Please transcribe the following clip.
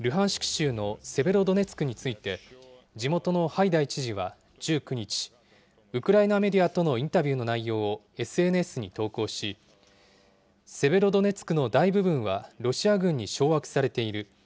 州のセベロドネツクについて、地元のハイダイ知事は１９日、ウクライナメディアとのインタビューの内容をＳＮＳに投稿し、セベロドネツクの大部分はロシア軍に掌握されている。